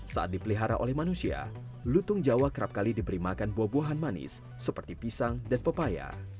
saat dipelihara oleh manusia lutung jawa kerap kali diberi makan buah buahan manis seperti pisang dan pepaya